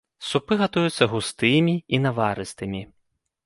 Супы гатуюцца густымі і наварыстымі.